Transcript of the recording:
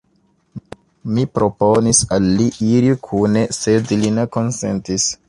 Mi proponis al li iri kune, sed li ne konsentis!